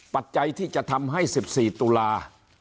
ปัจจัยที่จะทำให้๑๔ตุลา